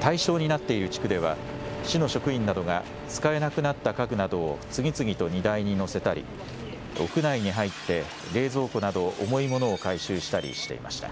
対象になっている地区では、市の職員などが使えなくなった家具などを次々と荷台に載せたり、屋内に入って冷蔵庫など、重いものを回収したりしていました。